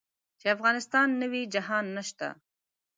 چې افغانستان نه وي جهان نشته.